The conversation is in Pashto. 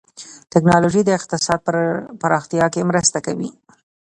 ټکنالوجي د اقتصاد پراختیا کې مرسته کوي.